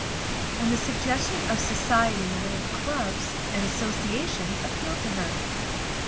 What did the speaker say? And the suggestion of society in the way of clubs and associations appealed to her.